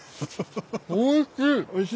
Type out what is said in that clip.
おいしい！